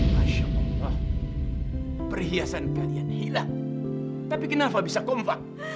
masya allah perhiasan kalian hilang tapi kenapa bisa kompak